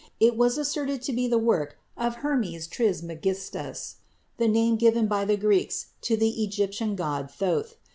It was asserted to be the work of Hermes Trismegistus, the name given by the Greeks to the Egyptian god Thoth.